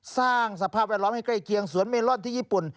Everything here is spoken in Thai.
สร้างสภาพแวดล้อมให้ใกล้เคียงสวนเมลอนที่ญี่ปุ่น